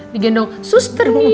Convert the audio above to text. digendong suster mirna ya